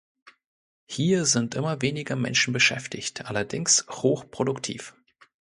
Hier sind immer weniger Menschen beschäftigt, allerdings hochproduktiv.